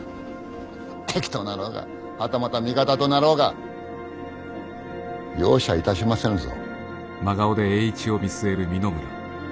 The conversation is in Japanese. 敵となろうがはたまた味方となろうが容赦いたしませぬぞ。